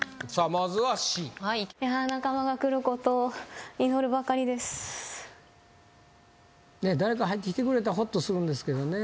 まずはＣねえ誰か入ってきてくれたらホッとするんですけどね